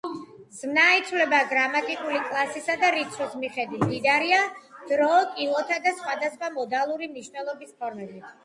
ზმნა იცვლება გრამატიკული კლასისა და რიცხვის მიხედვით; მდიდარია დრო-კილოთა და სხვადასხვა მოდალური მნიშვნელობის ფორმებით.